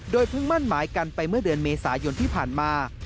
เพิ่งมั่นหมายกันไปเมื่อเดือนเมษายนที่ผ่านมา